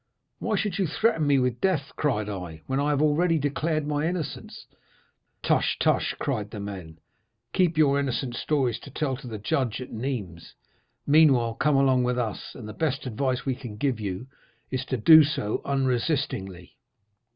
"'Why should you threaten me with death,' cried I, 'when I have already declared my innocence?' "'Tush, tush,' cried the men; 'keep your innocent stories to tell to the judge at Nîmes. Meanwhile, come along with us; and the best advice we can give you is to do so unresistingly.